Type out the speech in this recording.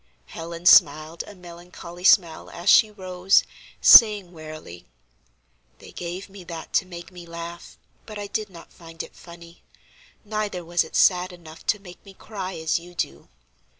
Helen smiled a melancholy smile as she rose, saying wearily: "They gave me that to make me laugh, but I did not find it funny; neither was it sad enough to make me cry as you do."